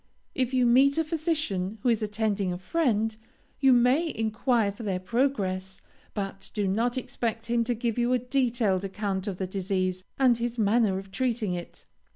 If you meet a physician who is attending a friend, you may enquire for their progress, but do not expect him to give you a detailed account of the disease and his manner of treating it.